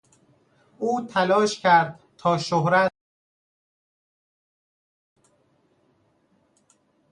او تلاش کرد تا شهرت و قدرت بهدست آورد.